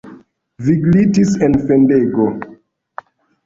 Vi glitis en fendego.